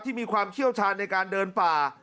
มีความเชี่ยวชาญในการเดินป่า